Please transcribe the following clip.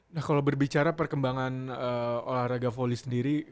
nah kalau berbicara perkembangan olahraga volley sendiri